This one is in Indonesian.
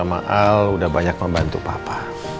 sama al udah banyak membantu papa